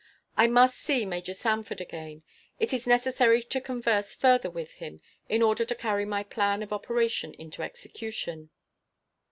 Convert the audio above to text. I must see Major Sanford again. It is necessary to converse further with him in order to carry my plan of operation into execution."